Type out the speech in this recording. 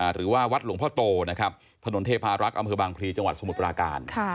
หรือว่าวัดหลวงพ่อโตนะครับถนนเทพารักษ์อำเภอบางพลีจังหวัดสมุทรปราการ